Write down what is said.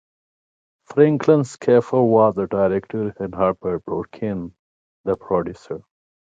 Franklin Schaffner was the director and Herbert Brodkin the producer.